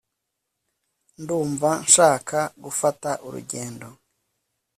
ndumva nshaka gufata urugendo